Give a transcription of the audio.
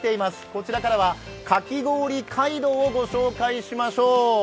こちらからはかき氷街道をご紹介しましょう。